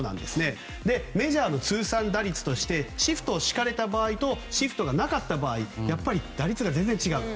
メジャーの通算打率としてシフトを敷かれた場合とシフトがなかった場合打率が全然違うと。